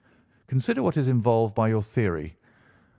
Consider what is involved by your theory.